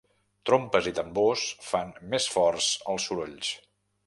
Trompes i tambors fan més forts els sorolls.